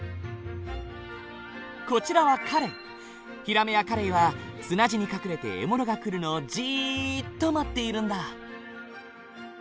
こちらはヒラメやカレイは砂地に隠れて獲物が来るのをじっと待っているんだ。